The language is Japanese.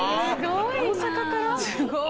すごい。